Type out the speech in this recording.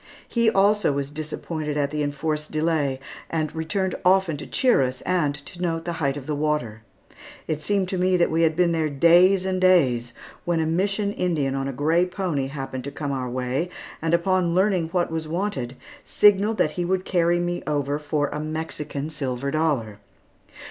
He, also, was disappointed at the enforced delay, and returned often to cheer us, and to note the height of the water. It seemed to me that we had been there days and days, when a Mission Indian on a gray pony happened to come our way, and upon learning what was wanted, signalled that he would carry me over for a Mexican silver dollar.